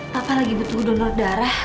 bapak lagi butuh donor darah